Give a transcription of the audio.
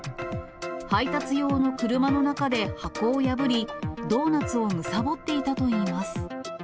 配達用の車の中で箱を破り、ドーナツをむさぼっていたといいます。